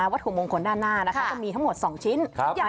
วัตถุมงคลด้านหน้านะคะจะมีทั้งหมด๒ชิ้น